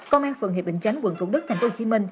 công an phường hiệp định tránh quận thủ đức tp hcm